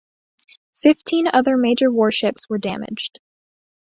Fifteen other major warships were damaged.